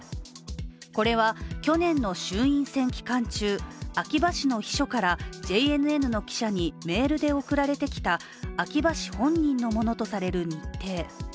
これは去年の衆院選期間中、秋葉氏の秘書からＪＮＮの記者にメールで送られてきた秋葉氏本人のものとされる日程。